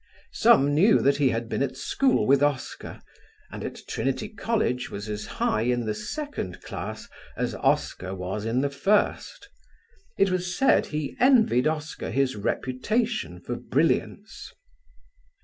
Some knew he had been at school with Oscar, and at Trinity College was as high in the second class as Oscar was in the first. It was said he envied Oscar his reputation for brilliance.